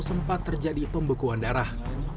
sempat terjadi pembekuan darah